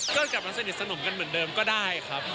ก็กลับมาสนิทสนมกันเหมือนเดิมก็ได้ครับ